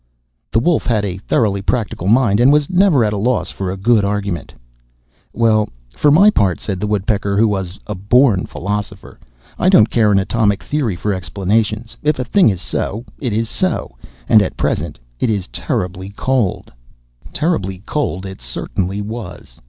The Wolf had a thoroughly practical mind, and was never at a loss for a good argument. 'Well, for my own part,' said the Woodpecker, who was a born philosopher, 'I don't care an atomic theory for explanations. If a thing is so, it is so, and at present it is terribly cold.' Terribly cold it certainly was.